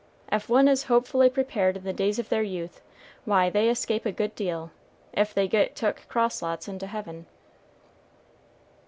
Ef one is hopefully prepared in the days of their youth, why they escape a good deal, ef they get took cross lots into heaven."